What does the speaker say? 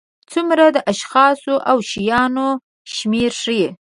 څومره د اشخاصو او شیانو شمېر ښيي.